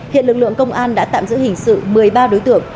hiện lực lượng công an đã tạm giữ hình sự một mươi ba đối tượng